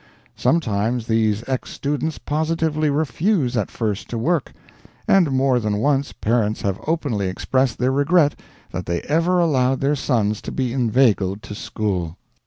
Sometimes these ex students positively refuse at first to work; and more than once parents have openly expressed their regret that they ever allowed their sons to be inveigled to school."